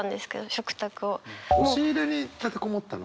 押し入れに立てこもったの？